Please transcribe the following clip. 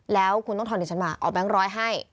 แล้วคุณต้องทอนดิฉันมาเอาแบงค์ร้อยให้